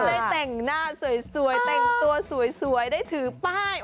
ได้แต่งหน้าสวยแต่งตัวสวยได้ถือป้าย